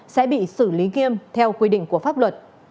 sẽ bị xử lý nghiêm theo quy định của pháp luật